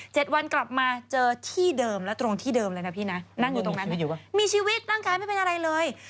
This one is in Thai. เจ็ดวันกลับมาเจอที่เดิมและตรงที่เดิมเลยนะพี่นะนั่งอยู่ตรงนั้นมีชีวิตอยู่ป่ะมีชีวิตนั่งค้ายไม่เป็นอะไรเลย